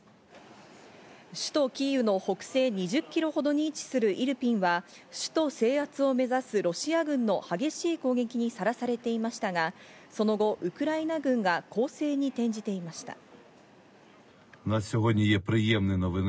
首都キーウの北西２０キロほどに位置するイルピンは首都制圧を目指すロシア軍の激しい攻撃にさらされていましたが、その後、ウクライナ軍が攻勢に転じていました。